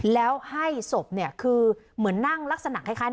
แล้วให้ศพคือเหมือนนั่งลักษณะคล้าย